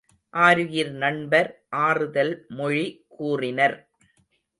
ஆருயிர் நண்பர் ஆறுதல் மொழி கூறினர்.